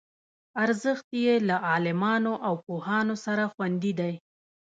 ارزښت یې له عالمانو او پوهانو سره خوندي دی.